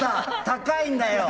高いんだよ。